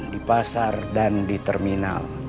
di pasar dan di terminal